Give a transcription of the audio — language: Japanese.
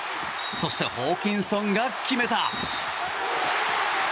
そしてホーキンソンが決めた！